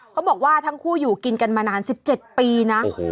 เขาบอกว่าทั้งคู่อยู่กินกันมานาน๑๗ปีนะ